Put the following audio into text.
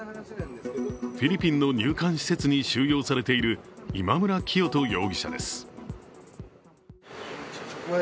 フィリピンの入館施設に収容されている今村磨人容疑者です。